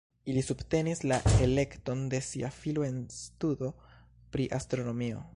Ili subtenis la elekton de sia filo en studo pri astronomio.